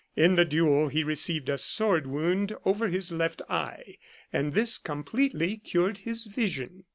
In the duel he received a sword wound over his left eye, and this* completely cured his vision.